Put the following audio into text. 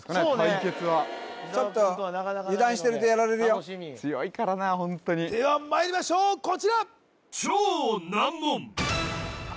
対決はちょっと油断してるとやられるよ強いからなホントにではまいりましょうこちらああ